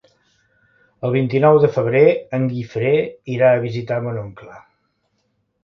El vint-i-nou de febrer en Guifré irà a visitar mon oncle.